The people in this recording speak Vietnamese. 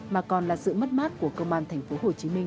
mà còn là sự mất mát của công an thành phố hồ chí minh